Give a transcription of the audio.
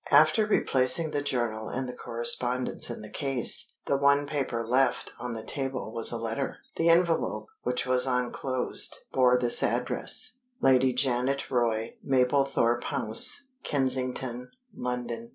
After replacing the journal and the correspondence in the case, the one paper left on the table was a letter. The envelope, which was unclosed, bore this address: "Lady Janet Roy, Mablethorpe House, Kensington, London."